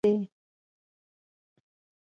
بې ترتیبي بد دی.